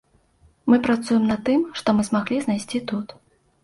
Мы працуем на тым, што мы змаглі знайсці тут.